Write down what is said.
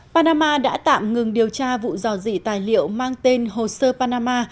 panama đã tạm ngừng điều tra vụ dò dị tài liệu mang tên hoser panama